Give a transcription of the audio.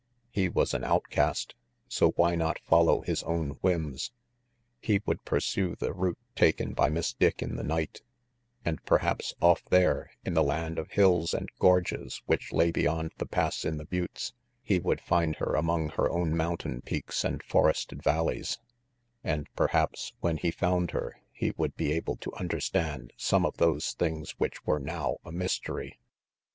He was an outcast, so why not follow his own whims? He would pursue the route taken by Miss Dick in the night; and perhaps off there, in the land of hills and gorges which lay beyond the pass in the buttes, he would find her among her own mountain peaks and forested valleys, and perhaps, when he found her, he would be able to understand some of those things which were now a mystery.